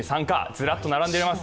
ずらっと並んでいます。